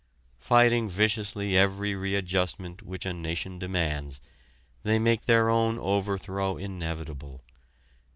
Fighting viciously every readjustment which a nation demands, they make their own overthrow inevitable.